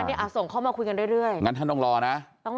เนี้ยอ่าส่งเข้ามาคุยกันเรื่อยเรื่อยงั้นท่านต้องรอนะต้องรอ